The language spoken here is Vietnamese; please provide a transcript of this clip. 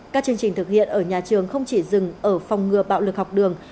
các chương trình thực hiện ở nhà trường không chỉ dừng ở phòng ngừa bạo lực học đường